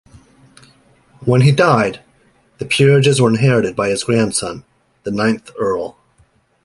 When he died the peerages were inherited by his grandson, the ninth Earl.